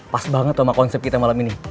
pas banget sama konsep kita malam ini